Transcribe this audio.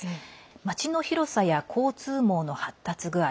まちの広さや交通網の発達具合